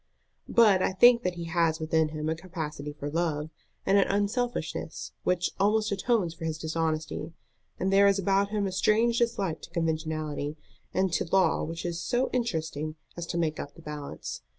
"But I think that he has within him a capacity for love, and an unselfishness, which almost atones for his dishonesty; and there is about him a strange dislike to conventionality and to law which is so interesting as to make up the balance.